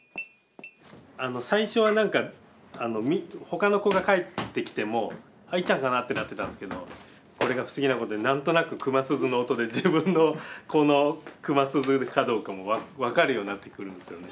最初は何かほかの子が帰ってきても「いっちゃんかな？」ってなってたんですけどこれが不思議なことに何となく熊鈴の音で自分の子の熊鈴かどうかも分かるようになってくるんですよね。